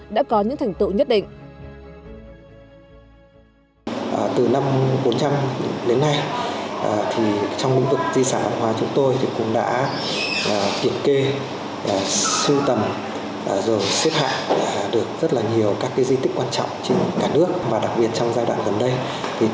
đã có những thành tựu nhất định